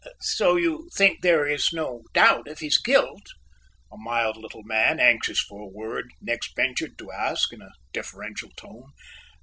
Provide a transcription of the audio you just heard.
"So you think there is no doubt of his guilt?" a mild little man, anxious for a word, next ventured to ask in a deferential tone.